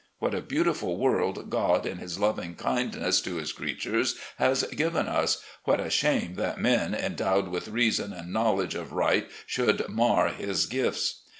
What a beautiful world God, in His loving kindness to His creatures, has given us ! What a shame that men endowed with reason and knowledge of right should mar His gifts.